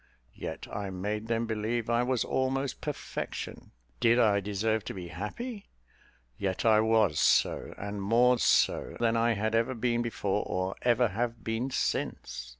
Yet I made them believe I was almost perfection. Did I deserve to be happy? Yet I was so, and more so than I had ever been before or ever have been since.